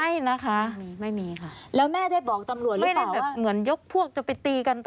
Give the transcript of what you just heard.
ไม่นะคะมีไม่มีค่ะแล้วแม่ได้บอกตำรวจหรือเปล่าแบบเหมือนยกพวกจะไปตีกันต่อ